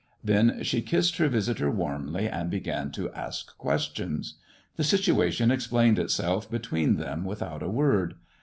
Then she kissed her visitor warmly, and began to ask questions. The situation explained itself between them without a word.